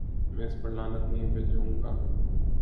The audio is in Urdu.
میں اس پر لعنت نہیں بھیجوں گا۔